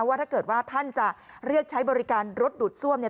ว่าถ้าเกิดว่าท่านจะเรียกใช้บริการรถดูดซ่วมเนี่ย